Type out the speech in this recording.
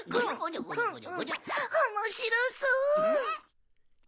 おもしろそう！